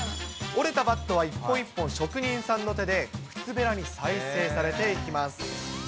折れたバットは一本一本職人さんの手で、靴べらに再生されていきます。